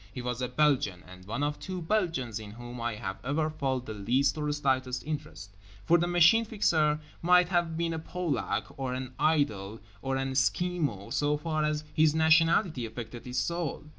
He was a Belgian, and one of two Belgians in whom I have ever felt the least or slightest interest; for the Machine Fixer might have been a Polak or an Idol or an Esquimo so far as his nationality affected his soul.